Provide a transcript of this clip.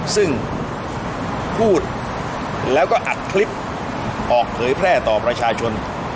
ซึ่งพูดแล้วก็อัดคลิปออกเผยแพร่ต่อประชาชน